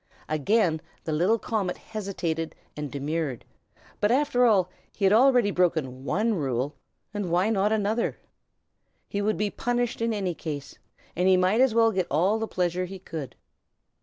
Again the little comet hesitated and demurred; but after all, he had already broken one rule, and why not another? He would be punished in any case, and he might as well get all the pleasure he could.